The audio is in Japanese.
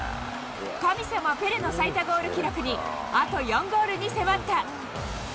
神様ペレの最多ゴール記録に、あと４ゴールに迫った。